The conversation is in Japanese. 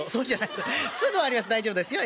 すぐ終わります大丈夫ですよ。